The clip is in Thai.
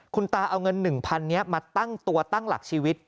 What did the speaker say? คุณตาเอาเงิน๑๐๐๐นี้มาตั้งตัวตั้งหลักชีวิต